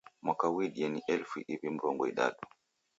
Mwaka ghuidie ni elifu iw'i mrongo idadu.